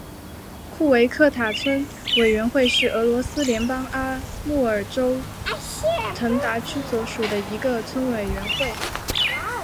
库维克塔村委员会是俄罗斯联邦阿穆尔州腾达区所属的一个村委员会。